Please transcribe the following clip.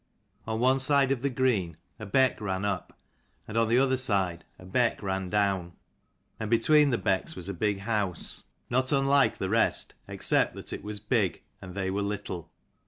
On one side of the green a beck ran up, and on the other side a beck ran down ; and between the becks was a big house, not 239 unlike the rest except that it was big and they were little.